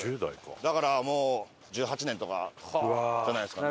だからもう１８年とかじゃないですかね。